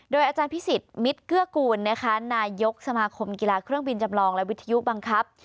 อาจารย์พิสิทธิมิตรเกื้อกูลนะคะนายกสมาคมกีฬาเครื่องบินจำลองและวิทยุบังคับ